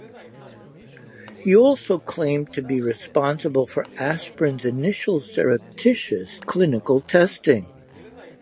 He also claimed to be responsible for aspirin's initial surreptitious clinical testing.